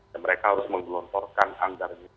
dan mereka harus menggelontorkan anggarnya